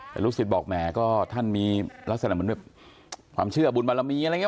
แต่ลูกศิษย์บอกแหมก็ท่านมีลักษณะเหมือนแบบความเชื่อบุญบารมีอะไรอย่างนี้